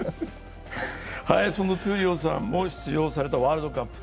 その闘莉王さんも出場しましたワールドカップ。